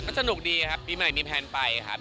สนุกดีครับปีใหม่มีแพลนไปครับ